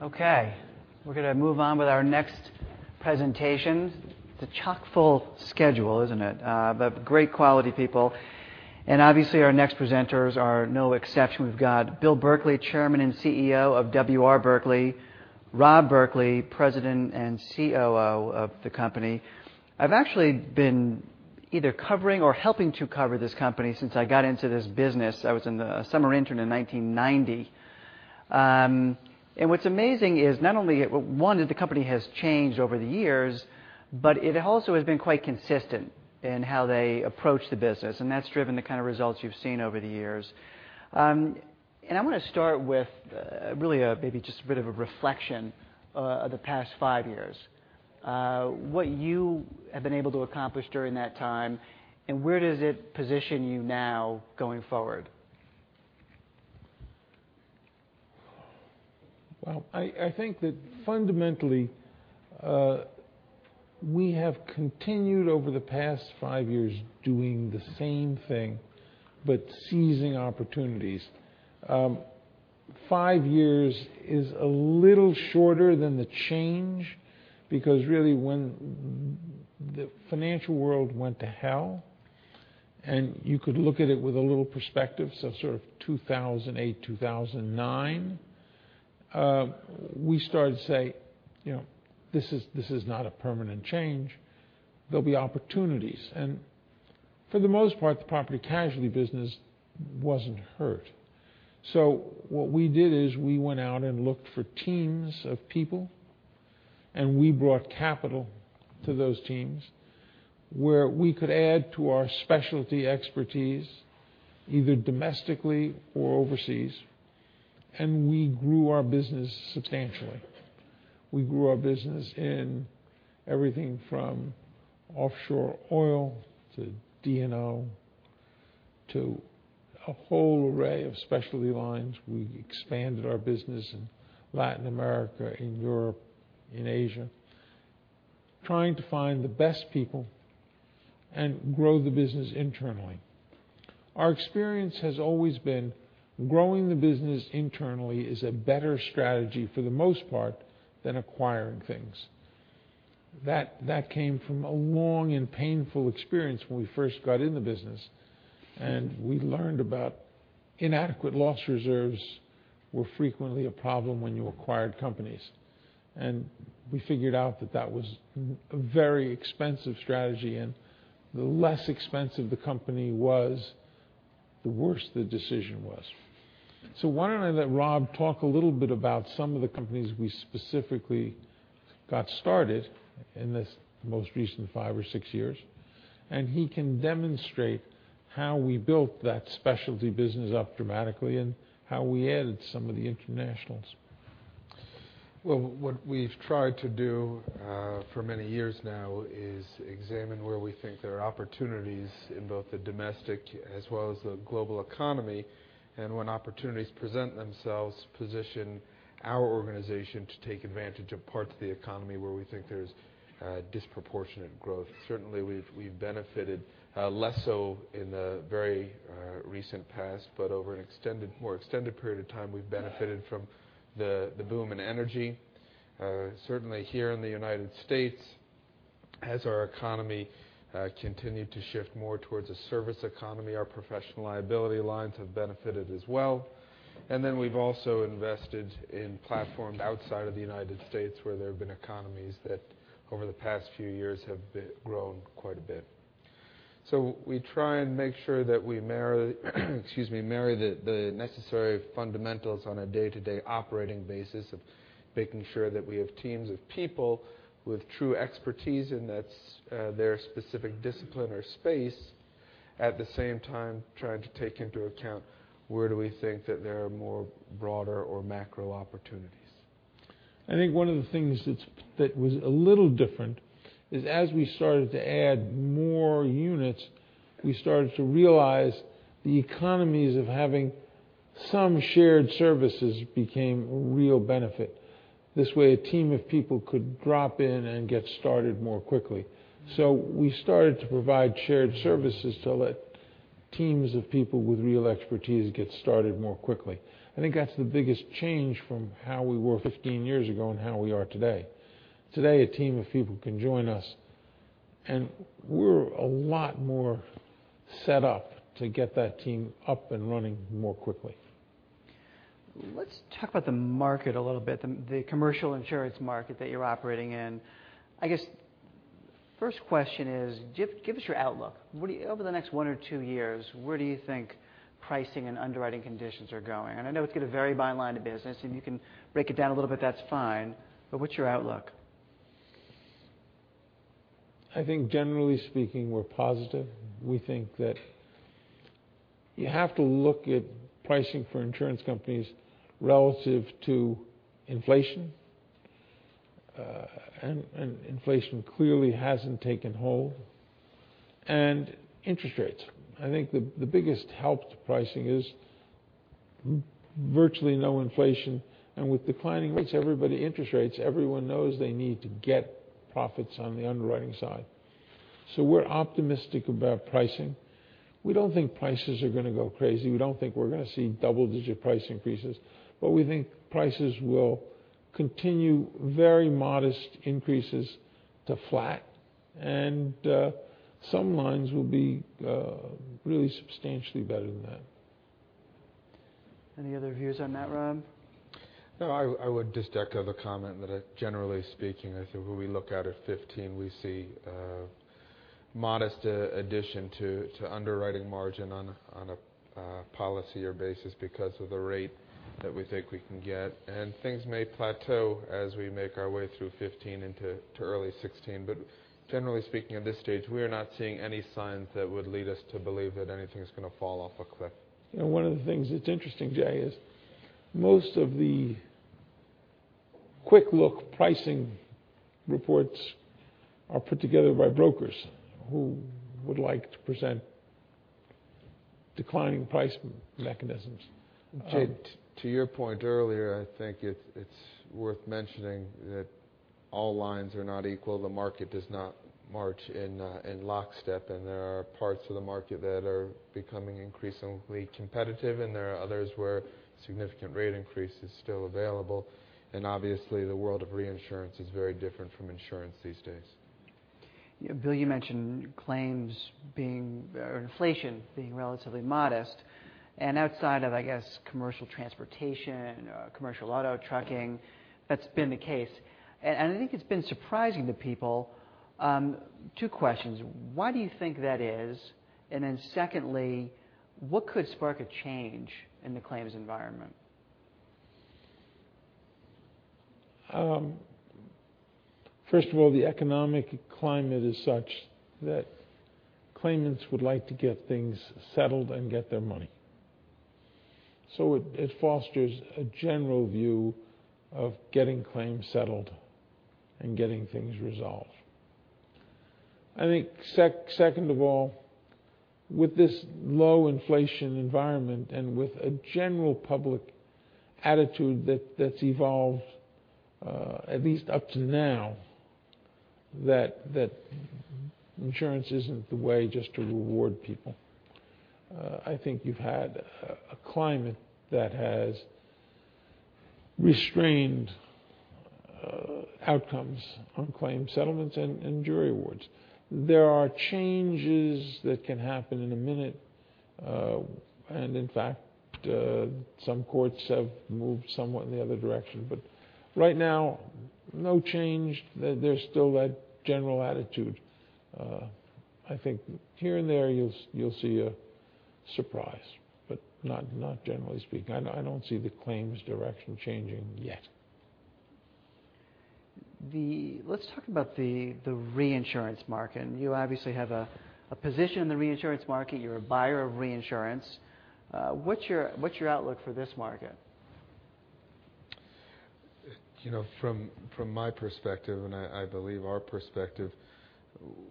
We're going to move on with our next presentation. It's a chock-full schedule, isn't it? Great quality people. Obviously our next presenters are no exception. We've got Bill Berkley, Chairman and CEO of W. R. Berkley, Rob Berkley, President and COO of the company. I've actually been either covering or helping to cover this company since I got into this business. I was a summer intern in 1990. What's amazing is not only, one, that the company has changed over the years, but it also has been quite consistent in how they approach the business, and that's driven the kind of results you've seen over the years. I want to start with really maybe just a bit of a reflection of the past five years, what you have been able to accomplish during that time, and where does it position you now going forward? I think that fundamentally, we have continued over the past five years doing the same thing, but seizing opportunities. Five years is a little shorter than the change, because really when the financial world went to hell, you could look at it with a little perspective, sort of 2008, 2009, we started to say, "This is not a permanent change. There'll be opportunities." For the most part, the property casualty business wasn't hurt. What we did is we went out and looked for teams of people, and we brought capital to those teams where we could add to our specialty expertise, either domestically or overseas, and we grew our business substantially. We grew our business in everything from offshore oil to D&O to a whole array of specialty lines. We expanded our business in Latin America, in Europe, in Asia, trying to find the best people and grow the business internally. Our experience has always been growing the business internally is a better strategy for the most part than acquiring things. That came from a long and painful experience when we first got in the business, and we learned about inadequate loss reserves were frequently a problem when you acquired companies. We figured out that that was a very expensive strategy, and the less expensive the company was, the worse the decision was. Why don't I let Rob talk a little bit about some of the companies we specifically got started in this most recent five or six years, and he can demonstrate how we built that specialty business up dramatically and how we added some of the internationals. What we've tried to do for many years now is examine where we think there are opportunities in both the domestic as well as the global economy. When opportunities present themselves, position our organization to take advantage of parts of the economy where we think there's disproportionate growth. Certainly, we've benefited less so in the very recent past. Over a more extended period of time, we've benefited from the boom in energy. Certainly here in the United States, as our economy continued to shift more towards a service economy, our professional liability lines have benefited as well. We've also invested in platforms outside of the United States, where there have been economies that over the past few years have grown quite a bit. We try and make sure that we marry the necessary fundamentals on a day-to-day operating basis of making sure that we have teams of people with true expertise in their specific discipline or space. At the same time, trying to take into account where do we think that there are more broader or macro opportunities. I think one of the things that was a little different is as we started to add more units, we started to realize the economies of having some shared services became a real benefit. This way, a team of people could drop in and get started more quickly. We started to provide shared services to let teams of people with real expertise get started more quickly. I think that's the biggest change from how we were 15 years ago and how we are today. Today, a team of people can join us, and we're a lot more set up to get that team up and running more quickly. Let's talk about the market a little bit, the commercial insurance market that you're operating in. I guess first question is, give us your outlook. Over the next one or two years, where do you think pricing and underwriting conditions are going? I know it's going to vary by line of business, and you can break it down a little bit, that's fine, but what's your outlook? I think generally speaking, we're positive. We think that you have to look at pricing for insurance companies relative to inflation, and inflation clearly hasn't taken hold, and interest rates. I think the biggest help to pricing is virtually no inflation, and with declining rates, everyone knows they need to get profits on the underwriting side. We're optimistic about pricing. We don't think prices are going to go crazy. We don't think we're going to see double-digit price increases, but we think prices will continue very modest increases to flat, and some lines will be really substantially better than that. Any other views on that, Rob? I would just echo the comment that, generally speaking, I think when we look out at 2015, we see a modest addition to underwriting margin on a policy-year basis because of the rate that we think we can get. Things may plateau as we make our way through 2015 into early 2016. Generally speaking, at this stage, we are not seeing any signs that would lead us to believe that anything's going to fall off a cliff. One of the things that's interesting, Jay, is most of the quick-look pricing reports are put together by brokers who would like to present declining price mechanisms. Jay, to your point earlier, I think it's worth mentioning that all lines are not equal. The market does not march in lockstep, there are parts of the market that are becoming increasingly competitive, and there are others where significant rate increase is still available. Obviously, the world of reinsurance is very different from insurance these days. Bill, you mentioned claims being, or inflation being relatively modest. Outside of, I guess, commercial transportation, commercial auto trucking, that's been the case. I think it's been surprising to people. Two questions. Why do you think that is? Secondly, what could spark a change in the claims environment? First of all, the economic climate is such that claimants would like to get things settled and get their money. It fosters a general view of getting claims settled and getting things resolved. I think second of all, with this low inflation environment and with a general public attitude that's evolved, at least up to now, that insurance isn't the way just to reward people. I think you've had a climate that has restrained outcomes on claim settlements and jury awards. There are changes that can happen in a minute. In fact, some courts have moved somewhat in the other direction. Right now, no change. There's still that general attitude. I think here and there you'll see a surprise, but not generally speaking. I don't see the claims direction changing yet. Let's talk about the reinsurance market. You obviously have a position in the reinsurance market. You're a buyer of reinsurance. What's your outlook for this market? From my perspective, I believe our perspective,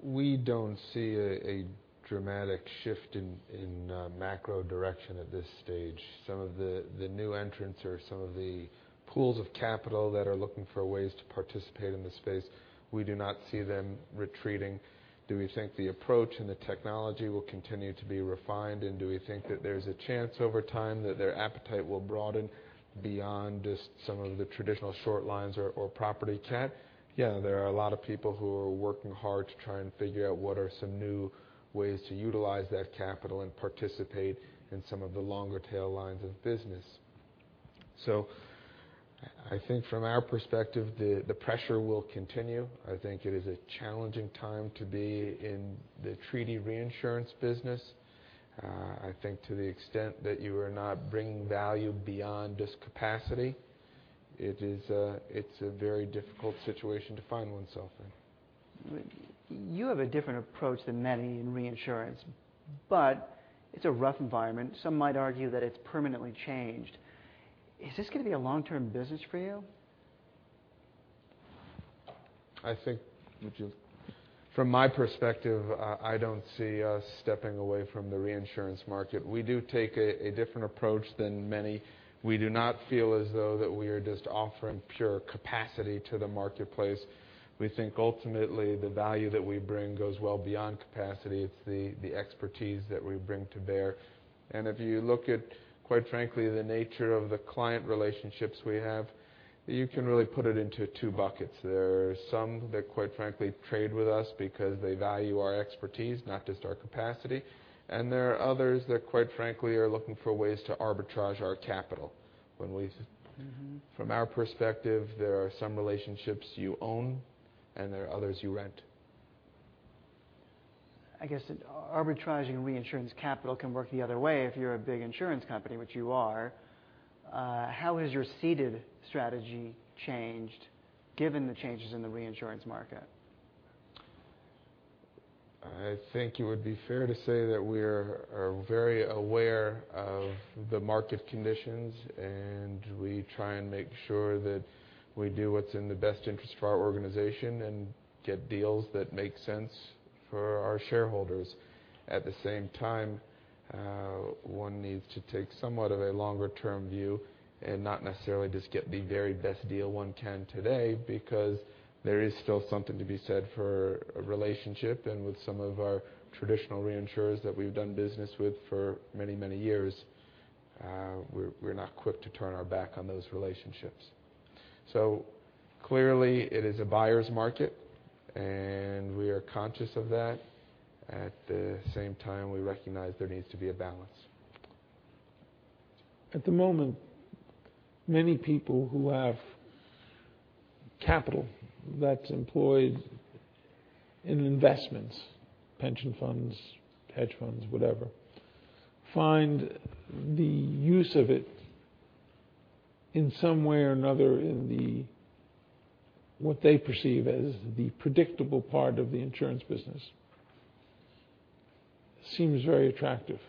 we don't see a dramatic shift in macro direction at this stage. Some of the new entrants or some of the pools of capital that are looking for ways to participate in the space, we do not see them retreating. Do we think the approach and the technology will continue to be refined, do we think that there's a chance over time that their appetite will broaden beyond just some of the traditional short lines or property cat? Yeah, there are a lot of people who are working hard to try and figure out what are some new ways to utilize that capital and participate in some of the longer tail lines of business. I think from our perspective, the pressure will continue. I think it is a challenging time to be in the treaty reinsurance business. I think to the extent that you are not bringing value beyond just capacity, it's a very difficult situation to find oneself in. You have a different approach than many in reinsurance. It's a rough environment. Some might argue that it's permanently changed. Is this going to be a long-term business for you? I think from my perspective, I don't see us stepping away from the reinsurance market. We do take a different approach than many. We do not feel as though that we are just offering pure capacity to the marketplace. We think ultimately the value that we bring goes well beyond capacity. It's the expertise that we bring to bear. If you look at, quite frankly, the nature of the client relationships we have, you can really put it into two buckets. There are some that, quite frankly, trade with us because they value our expertise, not just our capacity. There are others that, quite frankly, are looking for ways to arbitrage our capital. From our perspective, there are some relationships you own and there are others you rent. I guess arbitraging reinsurance capital can work the other way if you're a big insurance company, which you are. How has your ceded strategy changed given the changes in the reinsurance market? I think it would be fair to say that we are very aware of the market conditions. We try and make sure that we do what's in the best interest of our organization and get deals that make sense for our shareholders. At the same time, one needs to take somewhat of a longer-term view and not necessarily just get the very best deal one can today. There is still something to be said for a relationship, and with some of our traditional reinsurers that we've done business with for many years, we're not quick to turn our back on those relationships. Clearly it is a buyer's market, and we are conscious of that. At the same time, we recognize there needs to be a balance. At the moment, many people who have capital that's employed in investments, pension funds, hedge funds, whatever, find the use of it in some way or another in the, what they perceive as the predictable part of the insurance business, seems very attractive.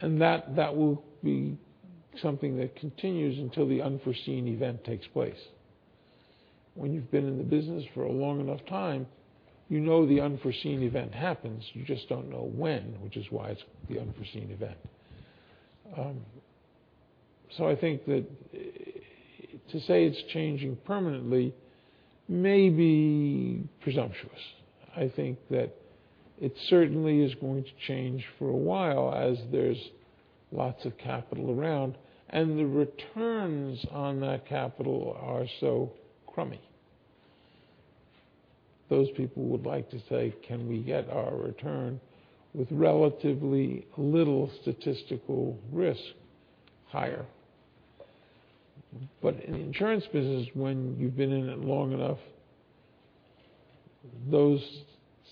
That will be something that continues until the unforeseen event takes place. When you've been in the business for a long enough time, you know the unforeseen event happens, you just don't know when, which is why it's the unforeseen event. I think that to say it's changing permanently may be presumptuous. I think that it certainly is going to change for a while as there's lots of capital around, and the returns on that capital are so crummy. Those people would like to say, "Can we get our return with relatively little statistical risk higher?" In the insurance business, when you've been in it long enough, those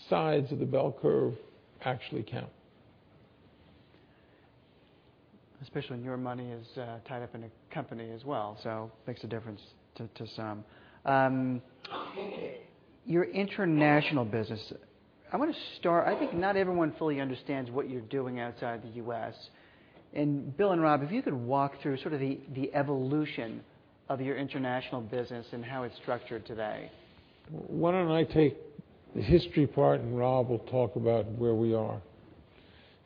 sides of the bell curve actually count. Especially when your money is tied up in a company as well, it makes a difference to some. Your international business, I want to start. I think not everyone fully understands what you're doing outside the U.S. Bill and Rob, if you could walk through sort of the evolution of your international business and how it's structured today. Why don't I take the history part, and Rob will talk about where we are.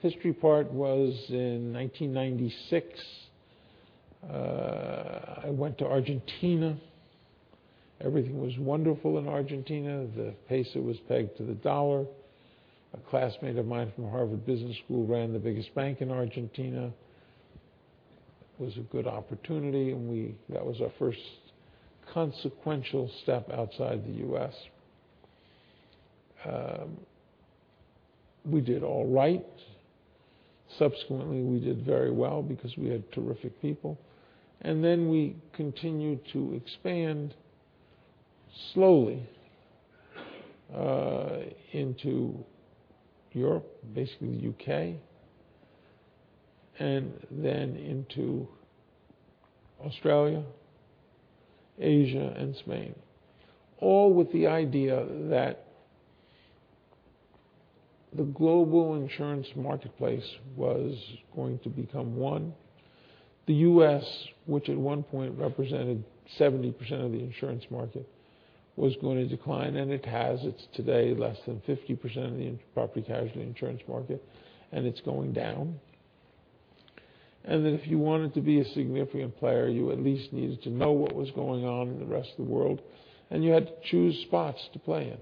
History part was in 1996. I went to Argentina. Everything was wonderful in Argentina. The peso was pegged to the dollar. A classmate of mine from Harvard Business School ran the biggest bank in Argentina. It was a good opportunity, and that was our first consequential step outside the U.S. We did all right. Subsequently, we did very well because we had terrific people. Then we continued to expand slowly into Europe, basically the U.K., and then into Australia, Asia, and Spain, all with the idea that the global insurance marketplace was going to become one. The U.S., which at one point represented 70% of the insurance market, was going to decline, and it has. It's today less than 50% of the property casualty insurance market, and it's going down. That if you wanted to be a significant player, you at least needed to know what was going on in the rest of the world, and you had to choose spots to play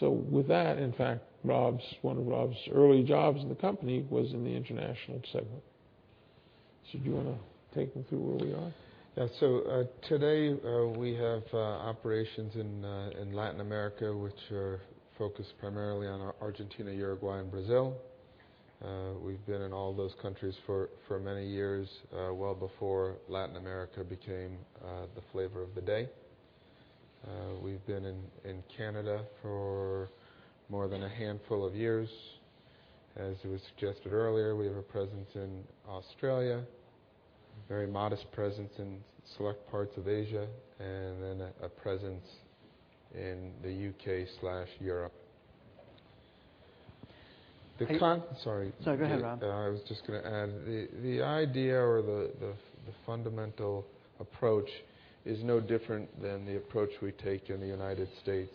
in. With that, in fact, one of Rob's early jobs in the company was in the international segment. Do you want to take them through where we are? Yeah. Today, we have operations in Latin America, which are focused primarily on Argentina, Uruguay, and Brazil. We've been in all those countries for many years, well before Latin America became the flavor of the day. We've been in Canada for more than a handful of years. As it was suggested earlier, we have a presence in Australia, a very modest presence in select parts of Asia, and then a presence in the U.K./Europe. The con- Sorry. No, go ahead, Rob. I was just going to add, the idea or the fundamental approach is no different than the approach we take in the United States,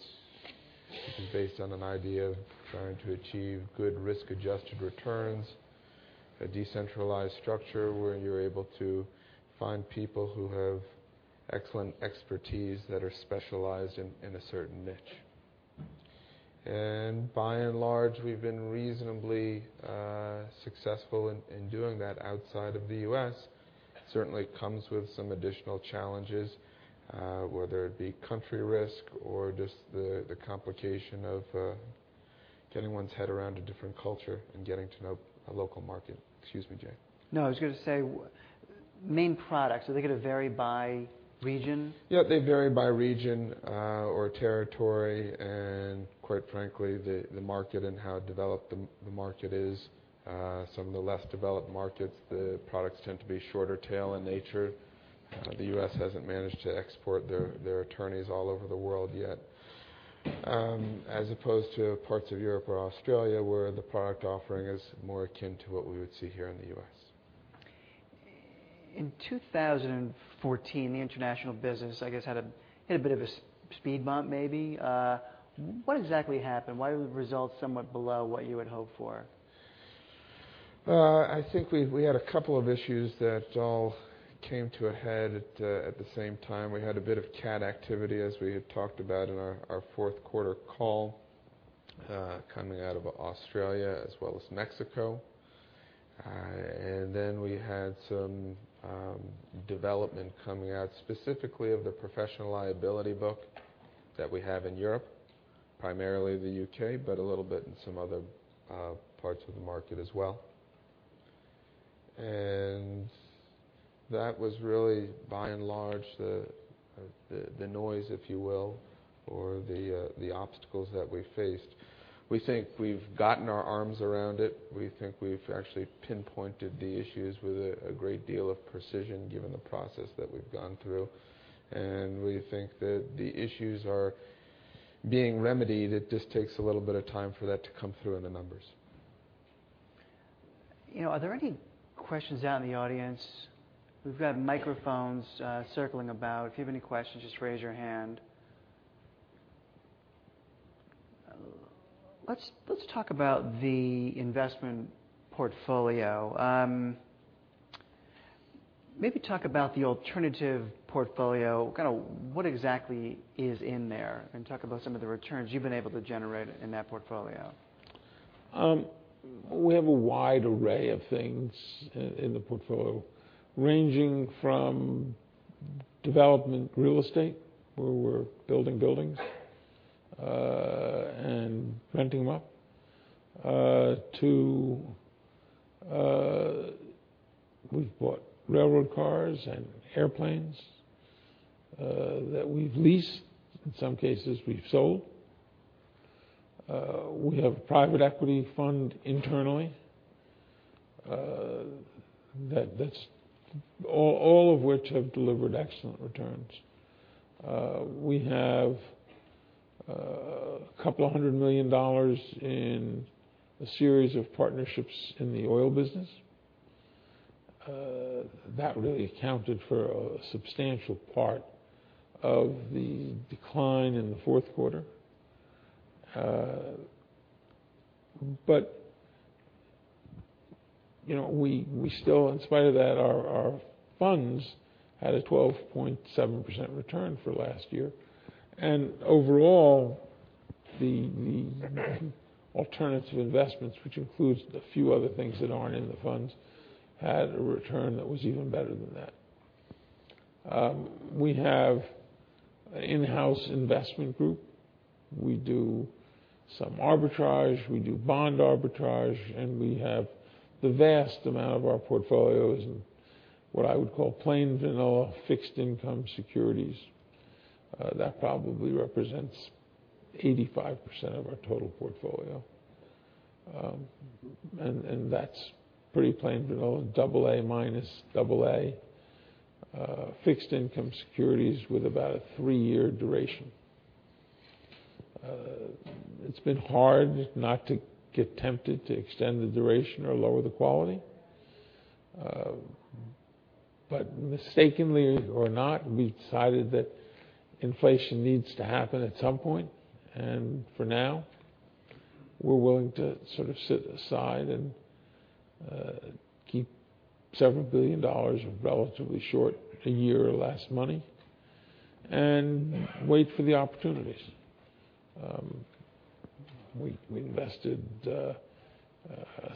which is based on an idea of trying to achieve good risk-adjusted returns, a decentralized structure where you're able to find people who have excellent expertise that are specialized in a certain niche. By and large, we've been reasonably successful in doing that outside of the U.S. Certainly comes with some additional challenges, whether it be country risk or just the complication of getting one's head around a different culture and getting to know a local market. Excuse me, Jay. No, I was going to say, main products, are they going to vary by region? Yeah, they vary by region or territory, quite frankly, the market and how developed the market is. Some of the less developed markets, the products tend to be shorter tail in nature. The U.S. hasn't managed to export their attorneys all over the world yet, as opposed to parts of Europe or Australia, where the product offering is more akin to what we would see here in the U.S. In 2014, the international business, I guess, hit a bit of a speed bump maybe. What exactly happened? Why were the results somewhat below what you had hoped for? I think we had a couple of issues that all came to a head at the same time. We had a bit of cat activity, as we had talked about in our fourth quarter call, coming out of Australia as well as Mexico. Then we had some development coming out specifically of the professional liability book that we have in Europe, primarily the U.K., but a little bit in some other parts of the market as well. That was really, by and large, the noise, if you will, or the obstacles that we faced. We think we've gotten our arms around it. We think we've actually pinpointed the issues with a great deal of precision, given the process that we've gone through. We think that the issues are being remedied. It just takes a little bit of time for that to come through in the numbers. Are there any questions out in the audience? We've got microphones circling about. If you have any questions, just raise your hand. Let's talk about the investment portfolio. Maybe talk about the alternative portfolio, what exactly is in there, and talk about some of the returns you've been able to generate in that portfolio. We have a wide array of things in the portfolio, ranging from development real estate, where we're building buildings and renting them up, to we've bought railroad cars and airplanes that we've leased, in some cases we've sold. We have a private equity fund internally, all of which have delivered excellent returns. We have a couple of hundred million dollars in a series of partnerships in the oil business. That really accounted for a substantial part of the decline in the fourth quarter. We still, in spite of that, our funds had a 12.7% return for last year. Overall, the alternative investments, which includes the few other things that aren't in the funds, had a return that was even better than that. We have an in-house investment group. We do some arbitrage, we do bond arbitrage, we have the vast amount of our portfolios in what I would call plain vanilla fixed income securities. That probably represents 85% of our total portfolio. That's pretty plain vanilla, double A minus, double A, fixed income securities with about a three-year duration. It's been hard not to get tempted to extend the duration or lower the quality. Mistakenly or not, we decided that inflation needs to happen at some point. For now, we're willing to sort of sit aside and keep several billion dollars of relatively short, one year or less money, and wait for the opportunities. We invested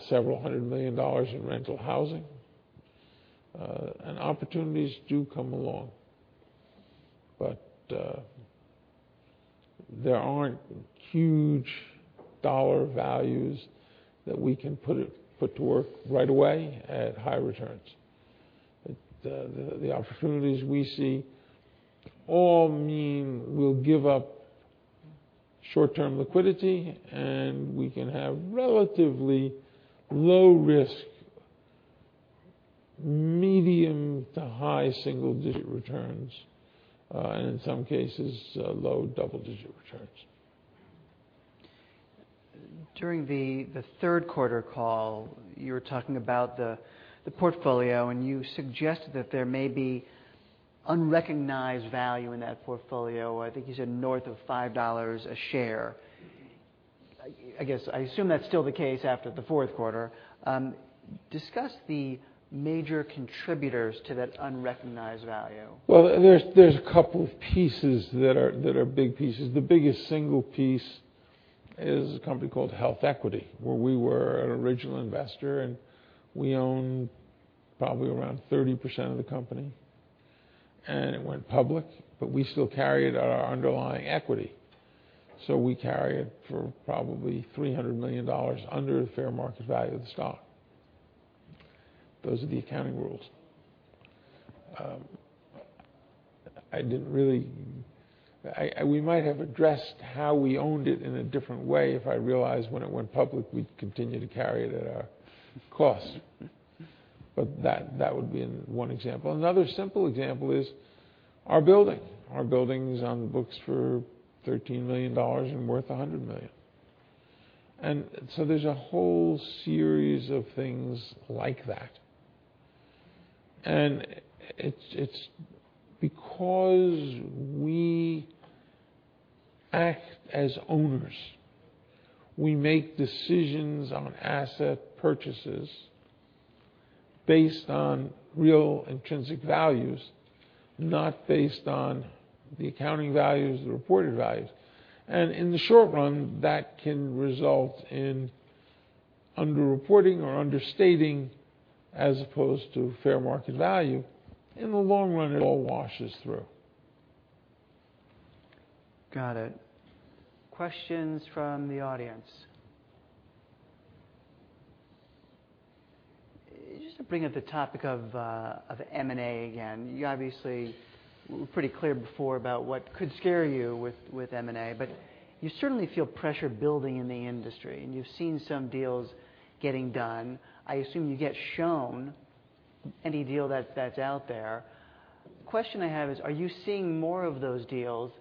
several hundred million dollars in rental housing. Opportunities do come along, but there aren't huge dollar values that we can put to work right away at high returns. The opportunities we see all mean we'll give up short-term liquidity, we can have relatively low risk, medium to high single-digit returns, in some cases, low double-digit returns. During the third quarter call, you were talking about the portfolio, you suggested that there may be unrecognized value in that portfolio, I think you said north of $5 a share. I assume that's still the case after the fourth quarter. Discuss the major contributors to that unrecognized value. There's a couple of pieces that are big pieces. The biggest single piece is a company called HealthEquity, where we were an original investor, we own probably around 30% of the company. It went public, but we still carry it at our underlying equity. We carry it for probably $300 million under the fair market value of the stock. Those are the accounting rules. We might have addressed how we owned it in a different way if I realized when it went public, we'd continue to carry it at our cost. That would be one example. Another simple example is our building. Our building's on the books for $13 million and worth $100 million. There's a whole series of things like that It's because we act as owners. We make decisions on asset purchases based on real intrinsic values, not based on the accounting values, the reported values. In the short run, that can result in underreporting or understating as opposed to fair market value. In the long run, it all washes through. Got it. Questions from the audience. Just to bring up the topic of M&A again, you obviously were pretty clear before about what could scare you with M&A, but you certainly feel pressure building in the industry, and you've seen some deals getting done. I assume you get shown any deal that's out there. Question I have is, are you seeing more of those deals,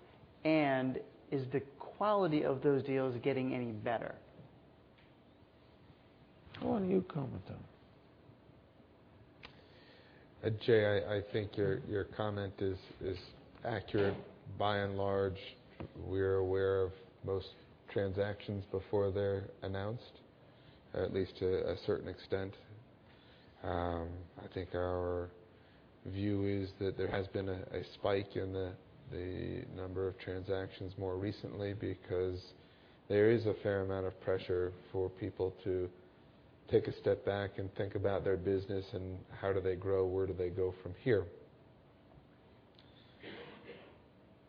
and is the quality of those deals getting any better? Why don't you comment on that? Jay, I think your comment is accurate. By and large, we're aware of most transactions before they're announced, or at least to a certain extent. I think our view is that there has been a spike in the number of transactions more recently because there is a fair amount of pressure for people to take a step back and think about their business and how do they grow, where do they go from here.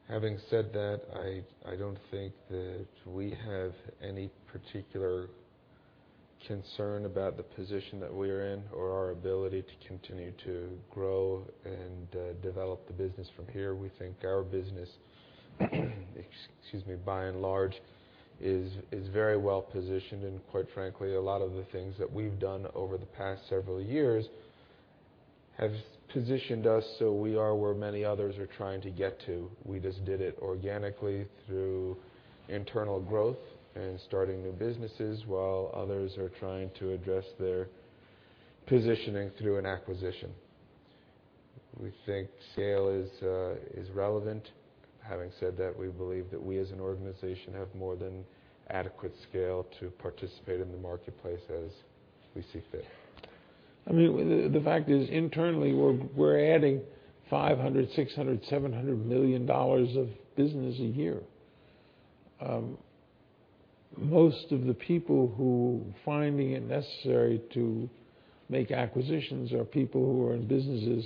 Having said that, I don't think that we have any particular concern about the position that we're in or our ability to continue to grow and develop the business from here. We think our business excuse me, by and large, is very well-positioned, and quite frankly, a lot of the things that we've done over the past several years have positioned us so we are where many others are trying to get to. We just did it organically through internal growth and starting new businesses while others are trying to address their positioning through an acquisition. We think scale is relevant. Having said that, we believe that we, as an organization, have more than adequate scale to participate in the marketplace as we see fit. The fact is, internally, we're adding $500, $600, $700 million of business a year. Most of the people who are finding it necessary to make acquisitions are people who are in businesses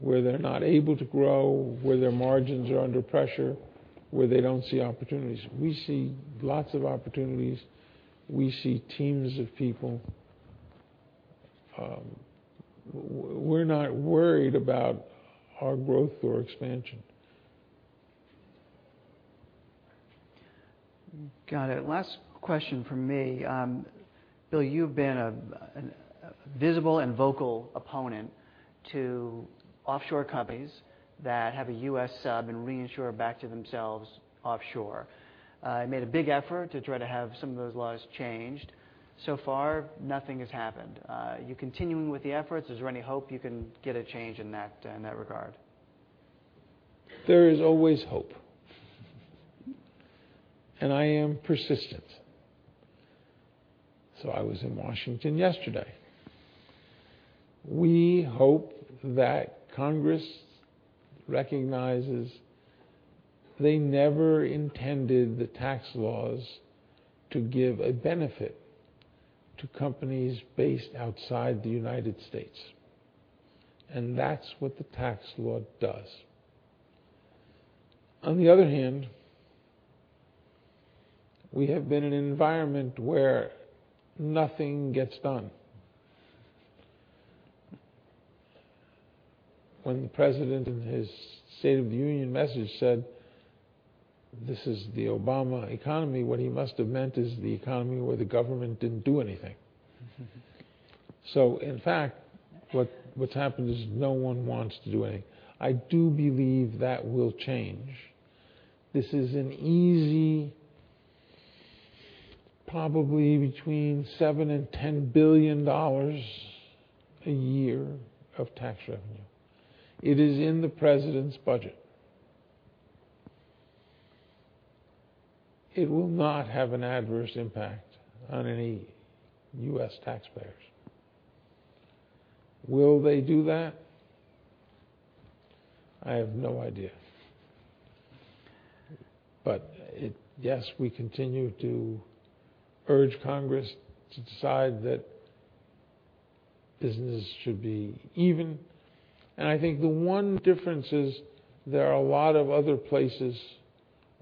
where they're not able to grow, where their margins are under pressure, where they don't see opportunities. We see lots of opportunities. We see teams of people. We're not worried about our growth or expansion. Got it. Last question from me. Bill, you've been a visible and vocal opponent to offshore companies that have a U.S. sub and reinsure back to themselves offshore, and made a big effort to try to have some of those laws changed. So far, nothing has happened. Are you continuing with the efforts? Is there any hope you can get a change in that regard? There is always hope. I am persistent. I was in Washington yesterday. We hope that Congress recognizes they never intended the tax laws to give a benefit to companies based outside the United States, and that's what the tax law does. On the other hand, we have been in an environment where nothing gets done. When the president in his State of the Union message said, "This is the Obama economy," what he must have meant is the economy where the government didn't do anything. In fact, what's happened is no one wants to do anything. I do believe that will change. This is an easy probably between $7 billion and $10 billion a year of tax revenue. It is in the president's budget. It will not have an adverse impact on any U.S. taxpayers. Will they do that? I have no idea. Yes, we continue to urge Congress to decide that business should be even. I think the one difference is there are a lot of other places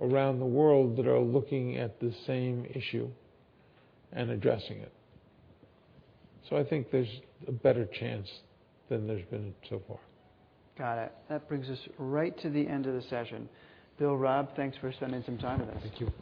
around the world that are looking at the same issue and addressing it. I think there's a better chance than there's been so far. Got it. That brings us right to the end of the session. Bill, Rob, thanks for spending some time with us. Thank you.